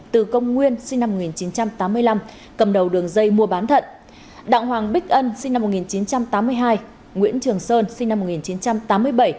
từ công nguyên sinh năm một nghìn chín trăm tám mươi năm cầm đầu đường dây mua bán thận đặng hoàng bích ân sinh năm một nghìn chín trăm tám mươi hai nguyễn trường sơn sinh năm một nghìn chín trăm tám mươi bảy